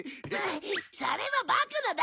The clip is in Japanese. それはボクのだ。